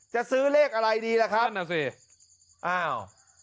จะซื้อเลขอะไรดีละครับ